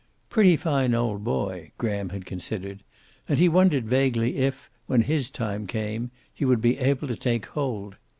"Pretty fine old boy," Graham had considered. And he wondered vaguely if, when his time came, he would be able to take hold.